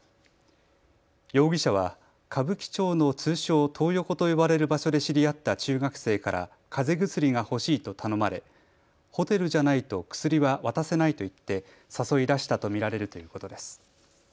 容疑者は歌舞伎町の通称、トー横と呼ばれる場所で知り合った中学生からかぜ薬が欲しいと頼まれホテルじゃないと薬は渡せないと言って誘い出したと見られるということです。